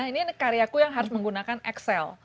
ini karyaku yang harus menggunakan excel